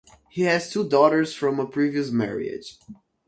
He has two daughters from a previous marriage.